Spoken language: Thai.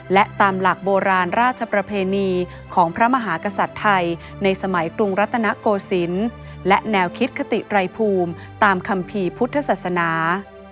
และตามหลักโบราณราชประเพณีของพระมหากษัตริย์ไทยในสมัยกรุงรัตนโกศิลป์และแนวคิดคติไรภูมิตามคัมภีร์พุทธศาสนา